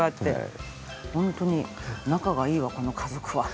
ホントに仲がいいわこの家族は。